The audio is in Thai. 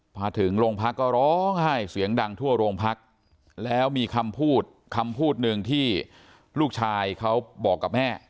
พอถึงโรงพักก็ร้องไห้เสียงดังทั่วโรงพักแล้วมีคำพูดคำพูดหนึ่งที่ลูกชายเขาบอกกับแม่